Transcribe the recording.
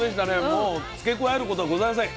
もう付け加えることございません。